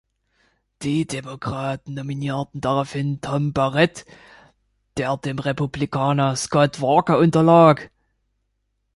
Die Demokraten nominierten daraufhin Tom Barrett, der dem Republikaner Scott Walker unterlag.